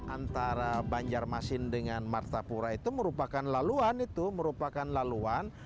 antara banjarmasin dengan martapura itu merupakan laluan